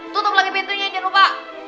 tutup lagi pintunya jangan lupa